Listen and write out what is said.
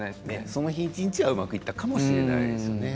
その日はうまくいったかもしれませんよね。